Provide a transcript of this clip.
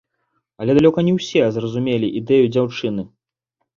Але далёка на ўсе зразумелі ідэю дзяўчыны.